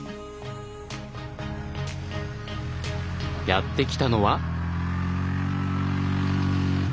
やって来たのは？